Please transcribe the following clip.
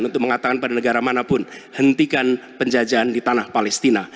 untuk mengatakan pada negara manapun hentikan penjajahan di tanah palestina